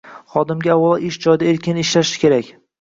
Xodimlarga, avvalo, ish joyida erkin ishlash kerak